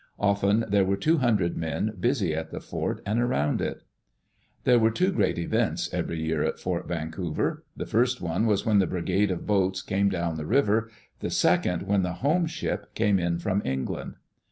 Often there were two hundred men busy at the fort and around it. There were two great events every year at Fort Van couver. The first one was when the Brigade of Boats came down the river; the second, when the "home ship came in from England.